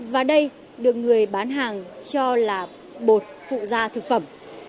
và đây được người bán hàng cho là bột phụ da thực phẩm